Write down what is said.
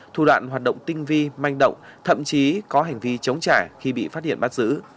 thủ đoạn hoạt động tinh vi manh động thậm chí có hành vi chống trả khi bị phát hiện bắt giữ